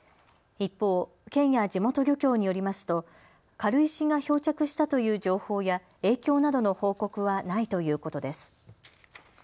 一方、県や地元漁協によりますと軽石が漂着したという情報や影響などの報告はないということです。